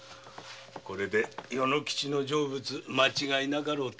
これで与之吉の成仏間違いなかろうて。